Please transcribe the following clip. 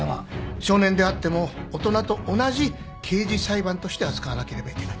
少年であっても大人と同じ刑事裁判として扱わなければいけない。